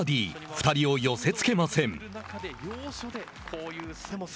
２人を寄せつけません。